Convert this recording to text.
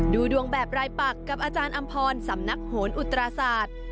ดูดวงแบบรายปักกับอาจารย์อำพรสำนักโหนอุตราศาสตร์